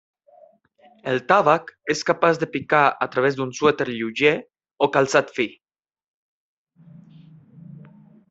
El tàvec és capaç de picar a través d'un suèter lleuger o calçat fi.